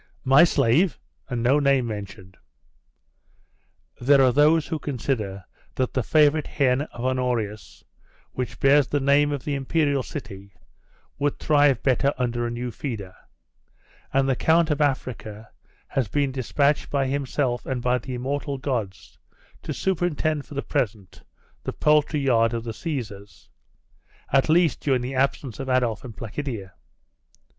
'.... 'My slave! and no name mentioned!' 'There are those who consider that the favourite hen of Honorius, which bears the name of the Imperial City, would thrive better under a new feeder; and the Count of Africa has been despatched by himself and by the immortal gods to superintend for the present the poultry yard of the Caesars at least during the absence of Adolf and Placidia.